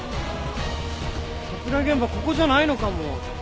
殺害現場はここじゃないのかも。